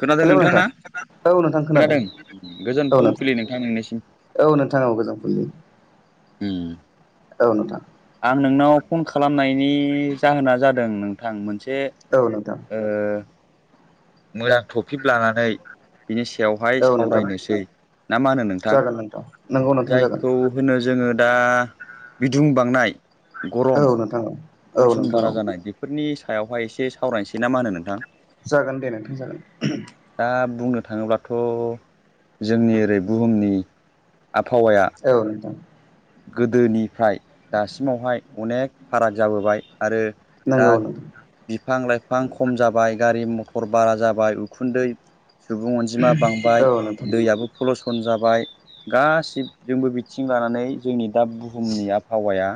खोनादों हेलौ ना? नोंथां औ नोंथां खोनादों गोजोन औ नोंथां फुंबिलि औ नोंथाङाव गोजों फुंबिलि हम औ नोंथां आं नोंनाव फन खालामनायनि जाहोना जादों नोंथां मोनसे औ नोंथां जे ओ मोजां टपिक लानानै बिनि सायावहाय औ नोंथां सावरायनोसै ना मा होनो नोंथां जागोन नंगौ नोंथां जागोन जायखौ होनो जोङो दा बिदुं बांनाय गरम औ नोंथां औ पलुसन नोंथां बारा औ जानाय बेफोरनि सायावहाय एसे सावरायनोसै ना मा होनो नोंथां? जागोन दे नोंथां जागोन। दा बुंनो थाङोब्लाथ' जोंनि ओरै बुहुमनि आबहावाया औ नोंथां। गोदोनिफ्राय दासिमावहाय अनेक फाराग जाबोबाय। आरो दा नंगौ नोंथां बिफां-लाइफां बिफां खम जाबाय, गारि मथर बारा जाबाय, उखुन्दै सुबुं अनजिमा बांबाय, औ नोंथां दैयाबो फलुस सन जाबाय गासिब जोंबो बिथिं लानानै जोंनि दा बुहुमनि आबहावाया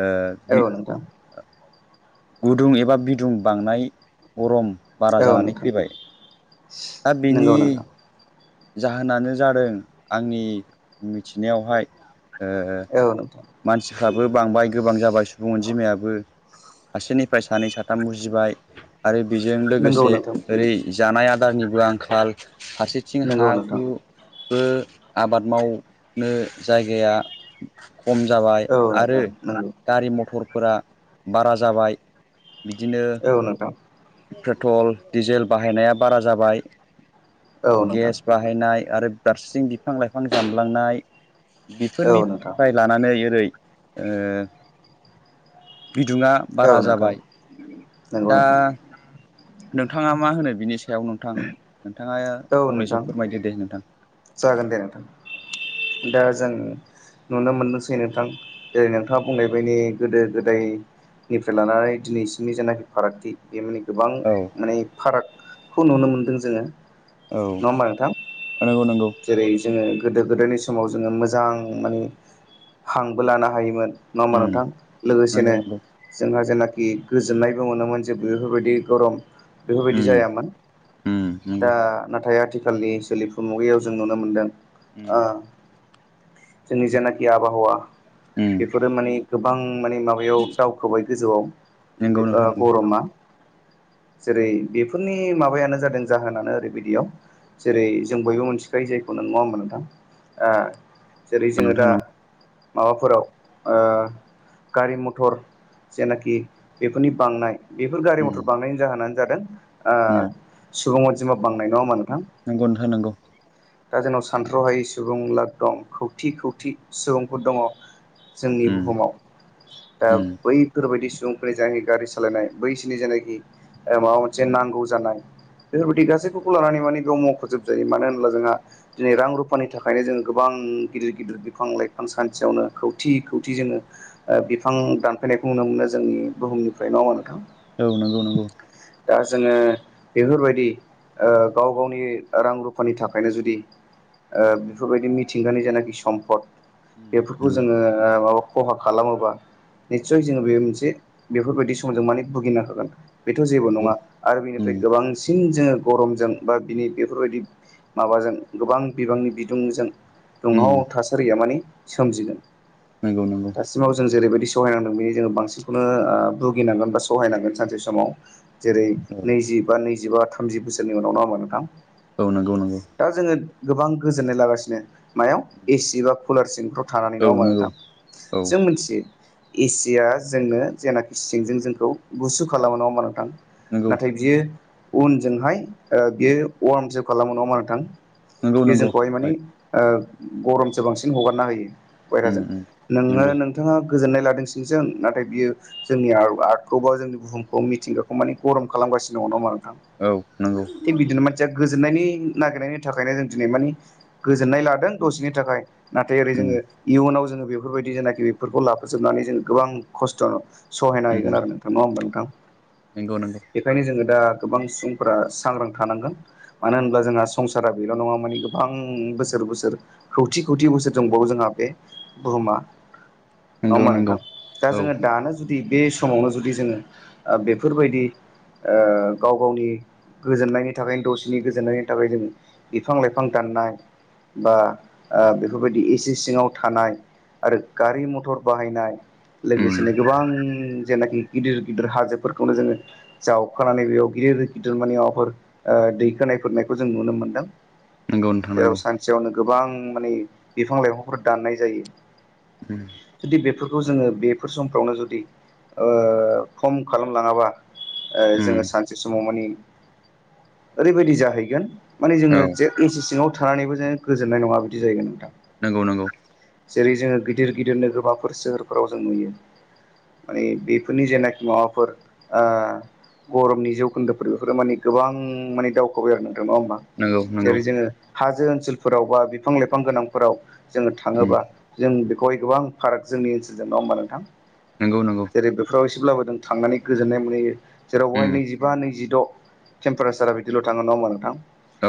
ओ बि औ नोंथां गुदुं एबा बिदुं बांनाय गरम बारा जानानै फैबाय। दा नोंगौ बेनि नोंथां। जाहोनानो जादों आंनि मिथिनायावहाय ओ औ नोंथां। मानसिफ्राबो बांबाय गोबां जाबाय सुबुं अनजिमायाबो सासेनिफ्राय सानै साथाम उजिबाय आरो बेजों नंगौ लोगोसे नोंथां ओरै जानाय आदारनिबो आंखाल फारसेथिं नंगौ हा- हु नोंथां बो आबाद मावनो जायगाया खम जाबाय औ आरो नोंथां नंगौ गारि मथरफोरा बारा जाबाय। बिदिनो औ नोंथां। पेट्रल, डिजेल बाहायनाया बारा जाबाय। औ नोंथां गेस बाहायनाय आरो फारसेथिं बिफां-लाइफां जामलांनाय औ नोंथां बेफोरनिफ्राय लानानै ओरै ओ बिदुङा बारा औ नोंथां जाबाय। नंगौ दा नोंथां नोंथाङा मा होनो बेनिस सायाव नोंथां? नोंथाङा औ नोंथां फंनैसो फोरमायदो दे नोंथां। जागोन दे नोंथां। दा जों नुनो मोनदोंसै नोंथां जेरै नोंथाङा बुंनाय बायदि गोदो गोदाय निफ्राय लानानै दिनैसिमनि जेनाखि फारागथि बे माने गोबां औ माने फारागखौ नुनो मोनदों जोंङो। औ नोंगौ नंगौ। जेरै- जोंङो गोदो-गोदायनि समाव जोंङो मोजां माने हांबो लानो हायोमोन। नङा होमबा उम नोंथां नंगौ लोगोसेनो नंगौ जोंहा जेना गोजोननायबो मोनोमोन जे बेफोरबायदि गरम बेफोरबायदि उम जायामोन। उम नंगौ दा नाथाय आथिखालनि सोलिफु मुगायाव जों नुनो मोनदों। ओ उम जोंनि जेनाखि आबहावा उम बेफोरो माने गोबां माने माबायाव दावखोबाय गोजौआव नंगौ ओ नोंथां नंगौ गर'मा [inaudible] जेरै- बेफोरनि माबायानो जादों जाहोनानो ओरैबायदियाव जेरै- जों बयबो मोन्थियो जाय जायखौ नों मावा नङा होनोबा नोंथां। जेरै जोंङो नोंथां दा नंगौ माबाफोराव ओ गारि मथर जेनाखि बेफोरनि बांनाय बेफोर गारि उम मथर बांनायनि जाहोनानो जादों सुबुं ओ अनजिमा बांनाय नङा होनबा नोंथां। नगौ नोथां नंगौ। दा जोंनाव सानथ्र'हायै सुबुं लाख दं खौथि-खौथि सुबुंफोर दङ। जोंनि उम बुहुमाव दा। उम बैफोरबायदि सुबुंफोरनि जायनाखि गारि सालायनाय बैसिनि जेनाखि माबा मोनसे नांगौ जानाय उम बेफोरबायदि गासैफोरखौ लानानै माने बेयाव मखजोबजायो मानो होनो होमबा जोंहा दिनै रां रुफानि थाखायनो जों गोबां गिदिर गिदिर बिफां लाइफां सान्थियावनो खौथि खौथि जोङो ओ बिफां दानफायनायखौ नुनो मोनो जोंनि बुहुमनिफ्राय नङाओबा नोंथां? औ नंगौ नंगौ। दा जोङो बेफोरबायदि ओ गाव गावनि रां रु फोरनि थाखायनो जुदि ओ बेफोरबायदि मिथिंगानि जेनाखि सम्पद उम बेफोरखौ नंगौ जोङो ओ मा खहा खालामोबा निस्सय जोङो बे मोनसे बेफोरबायदि समाव जों माने भुगिनो हागोन। बेथ' जेबो नंगौ नङा आरो बिनिफ्राय उम गोबांसिन जोङो गरमजों बा बिनि बेफोरबायदि माबाजों गोबां बिबांनि बिदुंजों उम दुंहाव थासारिया माने सोमजिगोन नंगौ नंगौ दासिमाव जों जेरैबायदि सहायनांदों बिनि जोङो बांसिनखौनो ओ भुगिनांगोन बा सहायनांगोन सानसे समाव। जेरै औ नैजि बा नैजिबा थामजि बोसोरनि उनावनहा नङा ओमबा नोंथां। औ नंगौ नंगौ। दा जोङो गोबां गोजोननाय लागासिनो मायाव एसि बा कुलार सिंफ्राव थानानै औ नङाहोमबा नंगौ नोंथां? औ जों मिथियो एसिया जोंनो जेनाखि सिंजों जोंखौ गुसु खालामो नङाहोमबा नोंथां? नंगौ नाथाय बियो उनजोंहाय ओ बियो वार्मसो खालामो नङा होमबा नोंथां? नंगौ बे नंगौ जोंखौहाय माने राइट ओ गरमसो बांसिन हगारना होयो। उम बाहेराजों उम नोङो नंगौ नोंथाङा गोजोननाय लादों सिंजों नाथाय बियो जोंनि आ-आर्टखौ बा जोंनि बुहुमखौ मिथिंगाखौ माने गरम खालाम गासिनो दङ नङा होम औ नंगौ। नायनि नागिरनायनि थाखायनो जों दिनै मानि गोजोननाय लादों दसेनि थाखाय। नाथाय ओरै उम जोङो इयुनाव जोङो बेफोरबायदि जेनाखि बेफोरखौ लाफाजोबनानै जों गोबां खस्थ' सहायना उम हैगोन आरो नोंथां नङा होमबा नोंथां नंगौ नंगौ बेखायनो जोङो दा गोबां सुबुंफोरा सांग्रां थानांगोन। मानो होनब्ला जोंहा संसारा बेल' नङा माने गोबां बोसोर बोसोर खौथि खौथि बोसोर दोंबावो जोंहा बे बुहुमा नंगौ नङाहोमबा नंगौ नोंथां? दा औ जोङो दानो जुदि बे समावनो जुदि जोङो ओ बेफोरबायदि ओ गाव गावनि गोजोननायनि थाखायनो दसे नि गोजोननायनि थाखाय जों बिफां-लाइफां दाननाय बा ओ बेफोरबायदि एसि सिङाव थानाय आरो गारि-मथर बाहायनाय उम लोगोसेनो गोबां जेनाखि गिदिर गिदिर हाजोफोरखौनो जोङो जावखानानै बेयाव गिदिर गिदिर माने माबाफोर ओ दै होनायफोरनायखौ जों नुनो मोनदों नंगौ नोंथां जेराव नंगौ सानसेयावनो गोबां मानि बिफां-लाइफांखौ दाननाय जायो। उम जुदि बेफोर खौ जोङो बेफोर समफ्रावनो जुदि ओ खम खालामलाङाबा ओ उम जोङो सानसे समाव मानि ओरैबायदि जाहैगोन माने औ जोङो जे ऐसि सिङाव थानानैबो जोङो गोजोननाय नङा बिदि जाहैगोन नोंथां। नंगौ नंगौ। जेरै जोङो गिदिर गिदिरनो नोगोरमाफोर सोहोरफोराव जों नुयो। माने बेफोरनि जेनाखि माबाफोर ओ गरमनि जौखोन्दोफोर बेफोरो माने गोबां माने दावखौबाय आरो नोंथां। नङाहोमबा? नंगौ नंगौ जेरै जोङो हाजो ओनसोलफोरावबा बिफां-लाइफां गोनांफोराव जोङो उम थाङोबा जों बेखौहाय गोबां फाराग जोंनि ओनसोलजों नङा होनबा नोंथां? नंगौ नंगौ जेरै बेफोराव एसेब्लाबो जों थांनानै गोजोननाय मोनहैयो जेराव बेवहाय उम नैजिबा नैजिद' टेमपारेचारा बिदिल' थाङो नङाहोमबा नोंथां?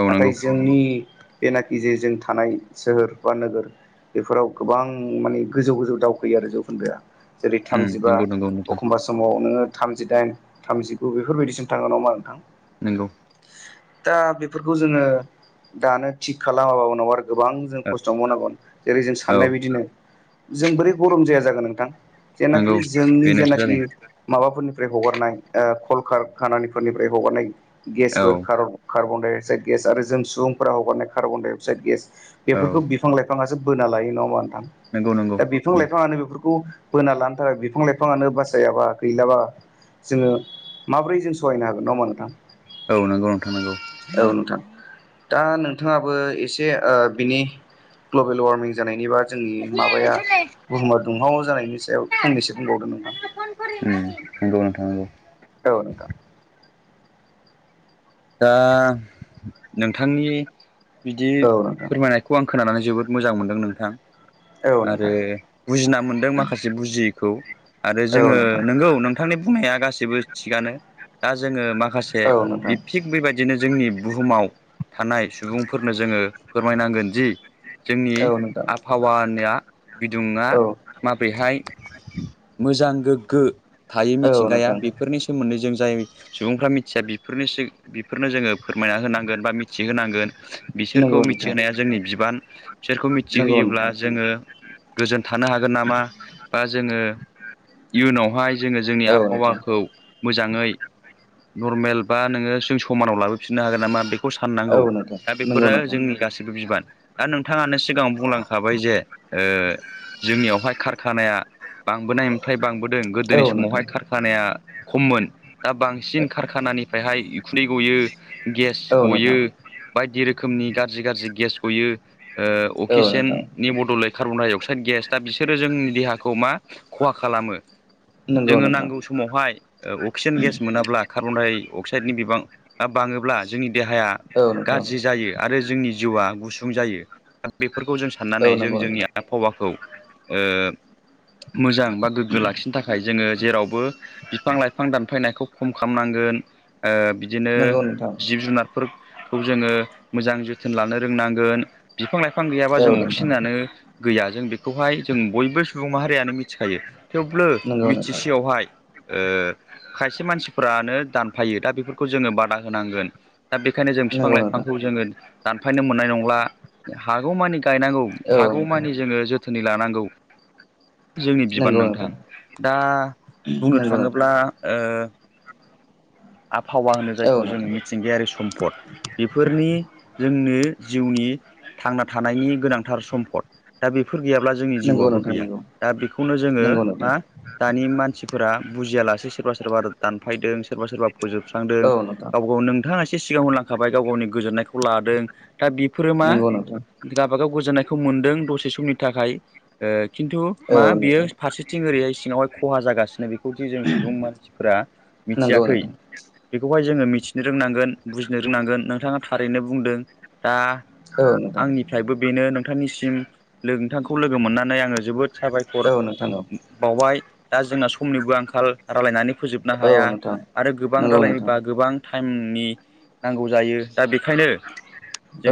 औ नाथाय नंगौ जोंनि एनाखि जे जों थानाय सोहोर बा नोगोर बेफोराव गोबां माने गोजौ गोजौ दावखैयो आरो जौखोन्दोआ। जेरै उम थामजिबा नंगौ नंगौ नोंथां एखमबा समाव नोंङो थामजिदाइन थामजिगु बेफोरबायदिसिम थांङो नंङा होमबा नोंथां? नंगौ। दा बेफोरखौ जोंङो दानो थिग खालामाबा उनाव आरो गोबां जों ओ खस्थ' मावनांगोन जेरै जों औ साननाय बायदिनो जों बोरै गरम जाया जागोन नोंथां? नंगौ जेनाखि जोंनि बेनोसो जेनाखि जादों माबाफोरनिफ्राय हगारनाय ओ कलकारखानानि फोरनिफ्राय हगारनाय औ गेसफोर कारन कार्बन दाइअक्साइड गेस आरो जों सुबुंफोरा हगारनाय कार्बनदाइ अक्साइड गेस औ बेफोरखौ बिफां लाइफांआसो बोना लायो नंङा होमबा नोंथां? नंगौ नंगौ दा बिफां लाइफांआनो बेफोरखौ बोना लानो थाखाय बिफां लाइफांआनो बासाइयाबा गैलाबा। जोंङो माब्रै जों सहायनो हागोन नंङा होमबा नोंथां? औ नंगौ नोंथां नोंगौ। औ नोंथां दा नोंथांङाबो एसे ओ बिनि ग्लबेल वारमिं जानायनि बा जोंनि उम माबा आ बुहुमा दुंहाव जानायनि सायाव फंनैसो बुंबावदो नोंथां। नंगौ नोंथां नंगौ औ नोंथां। दा नोंथांनि बिदि औ नोंथां फोरमायनायखौ आं खो खोनानानै जोबोद मोजां मोनदों नोंथां। औ आरो नोंथां बुजिना मोनदों माखासे बुजियैखौ। आरो औ जोंङो नोंथां नंगौ नोंथांनि बुंनाया गासैबो थिगानो दा जोंङो माख औ नोंथां। बेबायदिनो जोंनि बुहुमाव थानाय सुबुंफोरनो जोंङो फोरमायनांगोन दि जोंनि औ नोंथां आबहावानि आ बिदुं आ औ माब्रैहाय मोजां गोग्गो थायो औ मिथिंगाया नोंथां बेफोरनि सोमोन्दै जों जाय सुबुंफ्रा मिथिया बेफोरनोसो बेफोरनो जोंङो फोरमायना होनांगोन बा मिथिहोनांगोन बिसोरखौ नंगौ नोंथां मिथिहोनाया जोंनि बिबान। बिसोरखौ नंगौ मिथिहोयोब्ला नोंथां जोंङो गोजोन थानो हागोन नामा बा जोंङो इयुनावहाय जोंङो जोंनि औ नोंथां आबहावाखौ मोजांङै नरमेल बा नोंङो जों समानाव लाबोफिननो हागोन नामा? बेखौ साननांगौ औ नोंथां दा नंगौ बेफोरो नोंथां जोंनि गासिबो बिबान दा नों बिथांङानो सिगांङाव बुंलांखाबाय जे ओ जोंनियावहाय कारखानाया बांबोनाय ओमफ्राय बांबोदों औ नोंथां गोदोनि औ नोंथां समावहाय कारखानाया खममोन दा बांसिन कारखानानिफ्राइ हाइ उखुन्दै गयो गेस औ गयो नोंथां बायदि रोखोमनि गाज्रि गाज्रि गेस गयो ओ नंगौ नोंथां औ नोंथां औ अक्सिजेननि बद'लै कार्बनडाइ अक्साइड गेस दा बिसोरो जोंनि देहाखौ मा खहा खालामो नंगौ जोंङो नोंथां नांगौ समावहाय ओ अक्सिजेन गेस मोनाब्ला कार्बनडाइ अक्साइडनि बिबां आ बांङोब्ला जोंनि देहाया गाज्रि जायो आरो जोंनि जिउआ गुसुं जायो दा बे बेफोरखौ जों साननानै जों जोंनि आबहावाखौ ओ मोजां बा गोग्गो लाखिनो थाखाय जोंङो जेरावबो बिफां-लाइफां दानफायनायखौ खम खालामनांगोन ओ बिदिनो नंगौ नोंथां जिब जुनारफोर खौ जोंङो मोजां जोथोन लानो रोंनांगोन बिफां-लाइफां गैयाबा जों औ नोंथां अक्सिजेनानो गैया जों बेखौहाय जों बयबो सुबुं माहारियानो मिथिखायो थेवब्लो नंगौ नोंथां मिथिसेयावहाय ओ खायसे मानसिफ्रानो दानफायो दा बेफोरखौ जोंङो बादा होनांगोन दा बेखायनो जों नंगौ नोंथां बिफां-लाइफांखौ जोंङो दानफायनो मोननाय नंला हागौमानि गायनांगौ औ नोंथां हागौमानि जोंङो जोथोनै लानांगौ जोंनि बिबान नोंथां दा बुंनो नंगौ नोंथां थांङोब्ला ओ फावा होनो औ जायखौ जों नोंथां मिथिंगायारि सम्पद बेफोरनि जोंनो जिउनि थांना थानायनि गोनांथार सम्पद दा बे फोर गैयाब्ला जोंनि नंगौ जिउआबो नोंथां गैया नंगौ दा बेखौनो जोंङो नंगौ नोंथां मा दानि मानसिफोरा बुजियालासे सोरबा सोरबा दानफायदों सोरबा सोरबा फोजोबस्रांदों औ नोंथां गाव गाव नोंथाङा सिगाङाव होनलांखाबाय गाव- गावनि गोजोननायखौ लादों। दा बेफोरो मा नंगौ नोंथां गावबा-गाव गोजोननाय [unintelligible] मोनदों दसे समनि थाखाय ओ खिन्थु औ मा बियो। नोंथां फारसेथिं ओरैहाय सिङावहाय खहा जागासिनो बेखौदि जों सुबुं मानसिफोरा नोंगौ। मिथियाखै बेखौहाय जोङो मिथिनो रोंनांगोन, बुजिनो रोंनांगोन नोंथाङा थारैनो बुंदों दा औ नोंथां आंनिफ्रायबो बेनो नोंथांनिसिम। नोंथांखौ लोगो मोननानै आङो जोबोद साबायखर औ नोंथां बावबाय। दा जोंना समनिबो आंखाल रायलायनानै फोजोबनो औ हाया नोंथां आरो गोबां नंगौ नोंथां रायलायनोबा गोबां टाइमनि नांगौ जायो। दा बेखायनो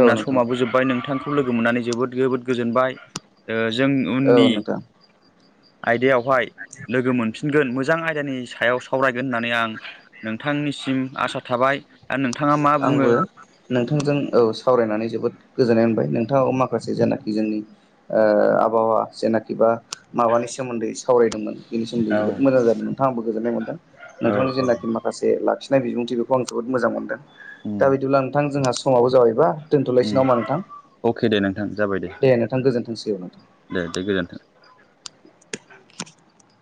औ नोंथां समाबो जोब्बाय नोंथांखौ [unintelligible] लोगो मोननानै जोबोद- जोबोद गोजोनबाय जों औ उननि नोंथां आयदायावहाय लोगो मोनफिनगोन, मोजां आयदानि सायाव सावरायगोन होननानै आं नोंथांनिसिम आसा थाबाय। दा नोंथाङा मा बुङो आंबो नोंथांजों, औ सावरायनानै जोबोद गोजोननाय मोनबाय। नोंथाङाव माखासे जेनाखि जोंनि ओ आबहावा जेनाखि बा माबानि सोमोन्दै सावरायदोंमोन। बेनि सोमोनदै औ जोबोद मोजां जादों। नोंथां आंबो गोजोन्नाय मोनदों। औ नोंथांनि औ जेनाखि माखासे लाखि [unintelligible] बिबुंथि बेखौ आं जोबोद मोजां मोनदों। दा उम बिदिब्ला नोंथां जोंहा समाबो जाबायबा दोनथ'लायसै [unintelligible] उम नोंथां। अके दे नोंथां जाबाय दे। नोंथां गोजोनथोंसै औ नोंथां। दे दे गोजोन्थों।